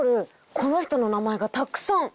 この人の名前がたくさん！